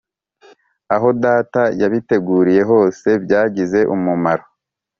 aho data yabiteguriye hose byagize umumaro